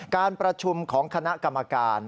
การประชุมของคณะกรรมการ